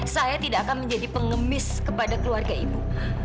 saya tidak akan menjadi pengemis kepada keluarga ibu